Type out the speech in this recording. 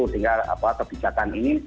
sehingga kebijakan ini